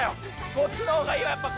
こっちの方がいいわやっぱ